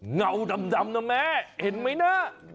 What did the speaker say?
เงาดำนะแม่เห็นไหมนะ